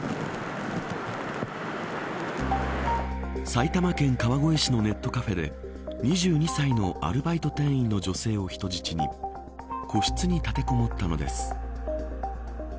埼玉県川越市のネットカフェで２２歳のアルバイト店員を人質に個室に立てこもったのです。